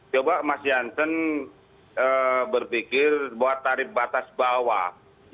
coba mas jansen berpikir bahwa tarif batas bawah